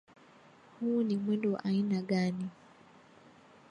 Huu ni mwendo wa aina gani?